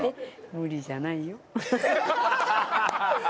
無理じゃないよ。